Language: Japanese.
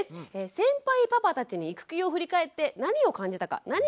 先輩パパたちに育休を振り返って何を感じたか何が変わったのか聞きました。